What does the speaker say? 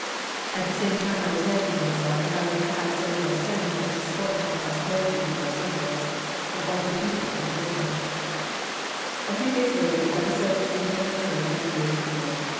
At the same time I was nagging myself for having had so little sense as to sport my prosperity before a socialist, of all the people in the world A few days later the episode seemed to have occurred many years before.